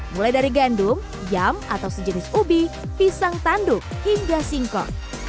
mulai dari gandum yam atau sejenis ubi pisang tanduk hingga singkong